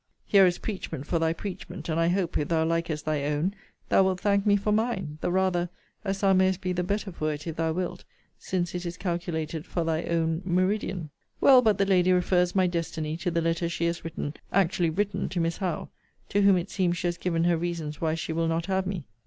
Here is preachment for thy preachment: and I hope, if thou likest thy own, thou wilt thank me for mine; the rather, as thou mayest be the better for it, if thou wilt: since it is calculated for thy own meridian. Well, but the lady refers my destiny to the letter she has written, actually written, to Miss Howe; to whom it seems she has given her reasons why she will not have me.